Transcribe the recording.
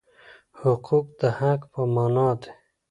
حقوق د حق په مانا دي.